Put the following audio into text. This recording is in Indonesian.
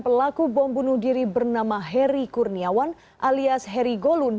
pelaku bom bunuh diri bernama heri kurniawan alias heri golun